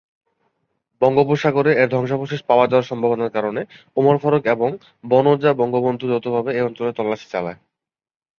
বঙ্গোপসাগরে এর ধ্বংসাবশেষ পাওয়া যাওয়ার সম্ভাবনার কারণে ওমর ফারুক এবং বানৌজা বঙ্গবন্ধু যৌথভাবে এই অঞ্চলে তল্লাশি চালায়।